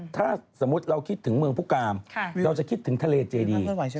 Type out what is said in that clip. ถ้าสมมุติเราคิดถึงเมืองผู้กามเราจะคิดถึงทะเลเจดี